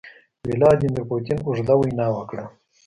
ولادیمیر پوتین اوږده وینا وکړه.